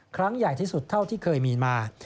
ครั้งใหญ่ที่สุดเท่าที่เคยมีมา